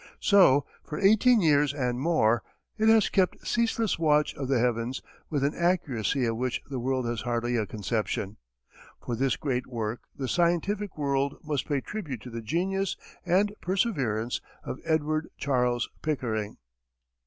So for eighteen years and more, it has kept ceaseless watch of the heavens, with an accuracy of which the world has hardly a conception. For this great work the scientific world must pay tribute to the genius and perseverance of Edward Charles Pickering.